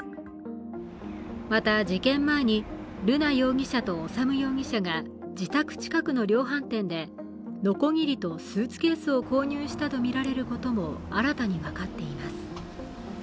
また事件前に、瑠奈容疑者と修容疑者が自宅近くの量販店でのこぎりとスーツケースを購入したとみられることも新たに分かっています。